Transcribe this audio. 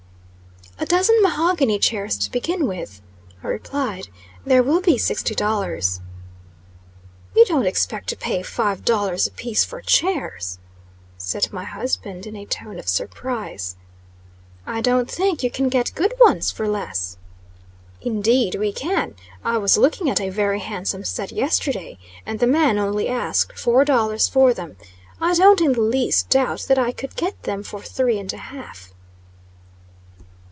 "A dozen mahogany chairs to begin with," I replied. "There will be sixty dollars." "You don't expect to pay five dollars a piece for chairs?" said my husband, in a tone of surprise. "I don't think you can get good ones for less." "Indeed we can. I was looking at a very handsome set yesterday; and the man only asked four dollars for them. I don't in the least doubt that I could get them for three and a half."